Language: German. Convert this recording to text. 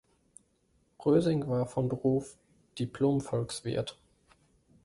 Rösing war von Beruf Diplomvolkswirt.